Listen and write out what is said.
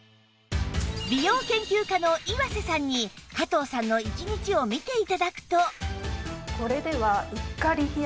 美容研究家の岩瀬さんに加藤さんの１日を見て頂くと